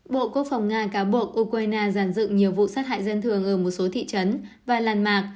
bộ quốc phòng nga cáo buộc ukraine giàn dựng nhiều vụ sát hại dân thường ở một số thị trấn và làn mạc